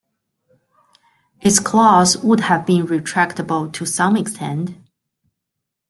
Its claws would have been retractable to some extent.